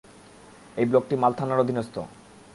এই ব্লকটি মাল থানার অধীনস্থ।